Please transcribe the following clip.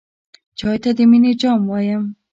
چای ته د مینې جام وایم.